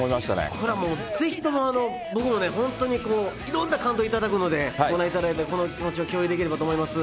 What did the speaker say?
これはもうぜひとも、僕もね、本当にいろんな感動いただくので、ご覧いただいて、この気持ちを共有できればと思います。